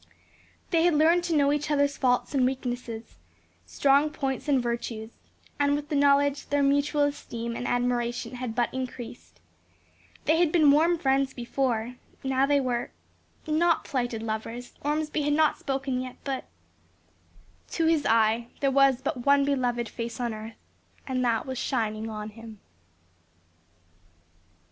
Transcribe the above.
They had learned to know each other's faults and weaknesses, strong points and virtues, and with the knowledge their mutual esteem and admiration had but increased; they had been warm friends before, now they were not plighted lovers, Ormsby had not spoken yet but "To his eye There was but one beloved face on earth, And that was shining on him."